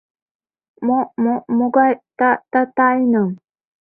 — Мо-мо-могай та-та-тайным?